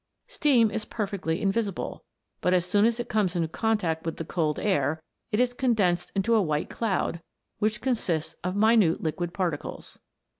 Steam is perfectly invisible ; but as soon as it comes into contact with the cold air, it is condensed into a white cloud, which consists of minute liquid particles.